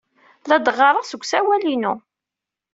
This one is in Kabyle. La d-ɣɣareɣ seg usawal-inu.